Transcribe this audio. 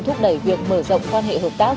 thúc đẩy việc mở rộng quan hệ hợp tác